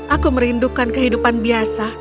aku merindukan kehidupan biasa